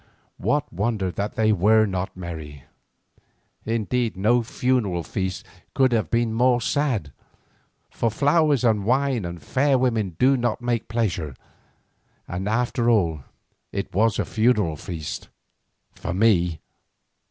What wonder that they were not merry? Indeed no funeral feast could have been more sad, for flowers and wine and fair women do not make pleasure, and after all it was a funeral feast—for me.